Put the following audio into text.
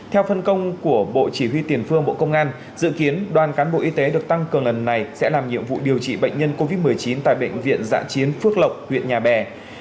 theo phân công của bộ chỉ huy tiền phương bộ công an dự kiến đoàn cán bộ y tế được tăng cường lần này sẽ làm nhiệm vụ điều trị bệnh nhân covid một mươi chín tại bệnh viện giã chiến phước lộc huyện nhà bè